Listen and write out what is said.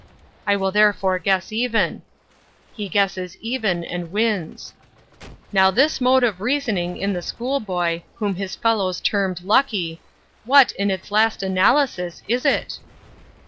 I will therefore guess even;'—he guesses even, and wins. Now this mode of reasoning in the schoolboy, whom his fellows termed 'lucky,'—what, in its last analysis, is it?"